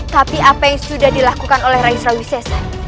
tapi apa yang sudah dilakukan oleh rai surawisesa